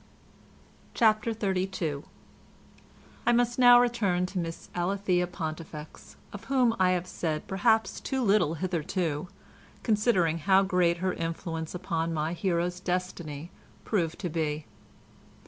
CHAPTER XXXII I must now return to Miss Alethea Pontifex, of whom I have said perhaps too little hitherto, considering how great her influence upon my hero's destiny proved to be.